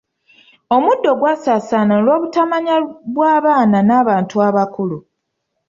Omuddo gwasaasaana olw'obutamanya bw'abaana n'abantu abakulu.